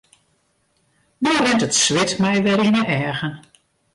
No rint it swit my wer yn 'e eagen.